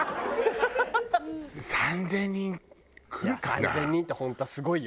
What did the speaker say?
３０００人って本当はすごいよ。